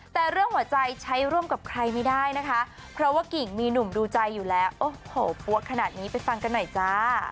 แต่เรื่องหัวใจใช้ร่วมกับใครไม่ได้นะคะเพราะว่ากิ่งมีหนุ่มดูใจอยู่แล้วโอ้โหปั๊วขนาดนี้ไปฟังกันหน่อยจ้า